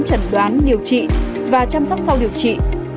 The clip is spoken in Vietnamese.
chẩn đoán điều trị và chăm sóc sau điều trị